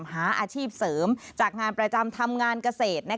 อาชีพเสริมจากงานประจำทำงานเกษตร